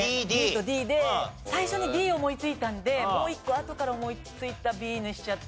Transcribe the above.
ＢとＤで最初にＤ思いついたんでもう一個あとから思いついたＢにしちゃったんですけど。